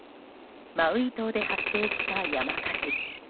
マウイ島で発生した山火事。